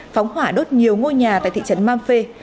phóng hỏa đốt nhiều ngôi nhà tại thị trấn mamfe